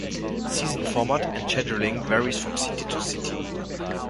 Season format and scheduling varies from city to city.